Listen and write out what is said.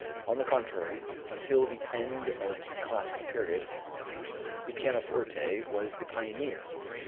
On the contrary, until the end of the classical period, at least, the pianoforte was the pioneer.